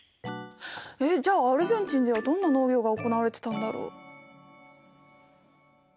えっじゃあアルゼンチンではどんな農業が行われてたんだろう？